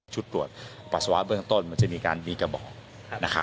ชุดตรวจปัสสาวะเบื้องต้นมันจะมีการมีกระบอก